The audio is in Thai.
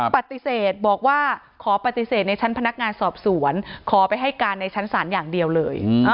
ปฏิเสธบอกว่าขอปฏิเสธในชั้นพนักงานสอบสวนขอไปให้การในชั้นศาลอย่างเดียวเลย